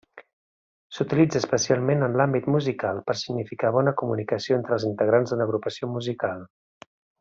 S'utilitza especialment en l'àmbit musical per significar bona comunicació entre els integrants d'una agrupació musical.